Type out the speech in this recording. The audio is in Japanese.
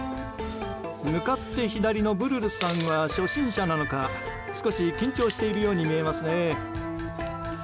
向かって左のぶるるさんは初心者なのか少し緊張しているように見えますね。